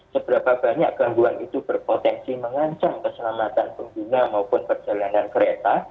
seberapa banyak gangguan itu berpotensi mengancam keselamatan pengguna maupun perjalanan kereta